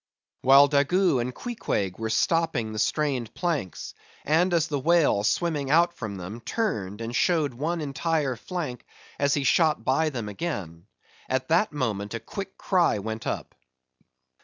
While Daggoo and Queequeg were stopping the strained planks; and as the whale swimming out from them, turned, and showed one entire flank as he shot by them again; at that moment a quick cry went up.